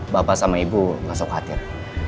bapak sama ibu gak soal khawatir